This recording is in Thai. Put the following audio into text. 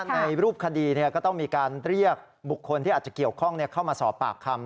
ในรูปคดีก็ต้องมีการเรียกบุคคลที่อาจจะเกี่ยวข้องเข้ามาสอบปากคำ